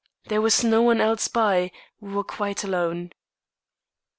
There was no one else by; we were quite alone."